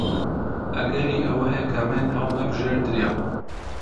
ئەگەری ئەوە هەیە کە من هەڵنەبژێردرێم.